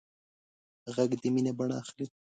غږ د مینې بڼه اخلي